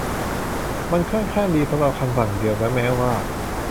มันค่อนข้างดีสำหรับคำสั่งคำเดียวและแม้ว่า